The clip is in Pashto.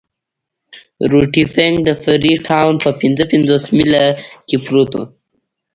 روټي فنک د فري ټاون په پنځه پنځوس میله کې پروت وو.